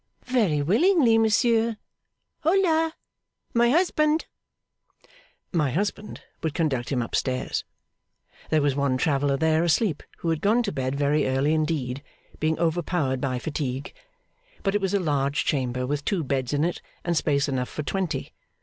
Very willingly, monsieur. Hola, my husband! My husband would conduct him up stairs. There was one traveller there, asleep, who had gone to bed very early indeed, being overpowered by fatigue; but it was a large chamber with two beds in it, and space enough for twenty.